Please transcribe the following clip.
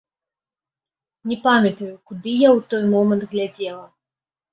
Не памятаю, куды я ў той мамант глядзела.